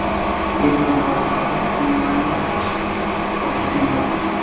Hijo de "Manco Cápac" y "Mama Ocllo".